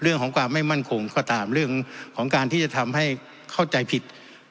เรื่องของความไม่มั่นคงก็ตามเรื่องของการที่จะทำให้เข้าใจผิด